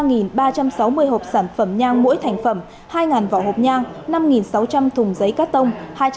ba ba trăm sáu mươi hộp sản phẩm nhang mỗi thành phẩm hai vỏ hộp nhang năm sáu trăm linh thùng giấy cát tông